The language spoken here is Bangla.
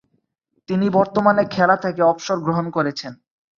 তিনি বর্তমানে খেলা থেকে অবসর গ্রহণ করেছেন।